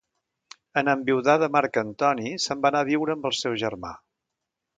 En enviudar de Marc Antoni, se'n va anar a viure amb el seu germà.